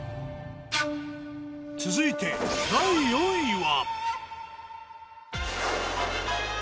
続いて第４位は。